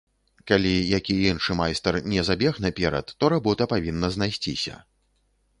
Калі які іншы майстар не забег наперад, то работа павінна знайсціся.